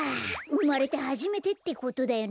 うまれてはじめてってことだよなあ。